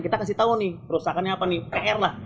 kita kasih tau nih kerusakannya apa nih pr lah